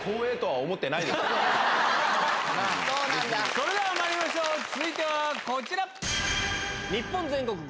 それではまいりましょう続いてはこちら！